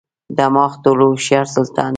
دماغ ټولو هوښیار سلطان دی.